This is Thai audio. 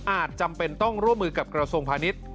จำเป็นต้องร่วมมือกับกระทรวงพาณิชย์